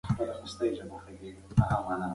آیا د معاشرتي اړیکو تعمیق د ټولنو د پوزش لپاره دی؟